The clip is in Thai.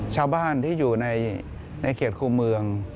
ชาวบ้านที่อยู่ในเขตคู่เมือง